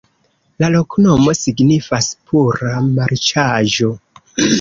La loknomo signifas: pura-marĉaĵo.